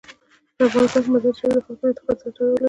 په افغانستان کې مزارشریف د خلکو د اعتقاداتو سره تړاو لري.